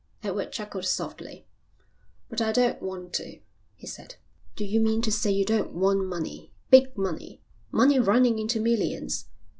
Edward chuckled softly. "But I don't want to," he said. "Do you mean to say you don't want money, big money, money running into millions?